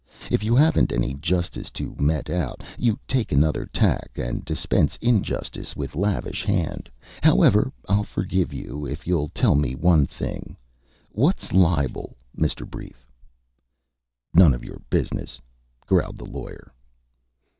If you haven't any justice to mete out, you take another tack and dispense injustice with lavish hand. However, I'll forgive you if you'll tell me one thing. What's libel, Mr. Brief?" "None of your business," growled the Lawyer.